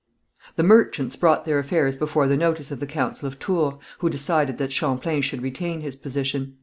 The merchants brought their affairs before the notice of the Council of Tours, who decided that Champlain should retain his position.